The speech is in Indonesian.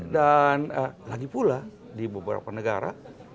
dan lagi pula di beberapa negara